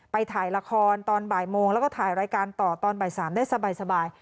ถ่ายละครตอนบ่ายโมงแล้วก็ถ่ายรายการต่อตอนบ่าย๓ได้สบาย